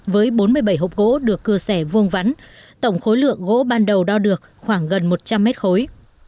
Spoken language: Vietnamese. với bốn mươi bảy hộp gỗ được cưa xẻ vuông vắn tổng khối lượng gỗ ban đầu đo được khoảng gần một trăm linh mét khối